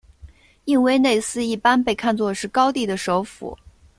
印威内斯一般被看作是高地的首府。